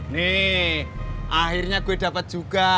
nih akhirnya gue dapat juga